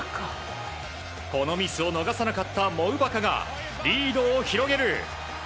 このミスを逃さなかったモウヴァカがリードを広げる。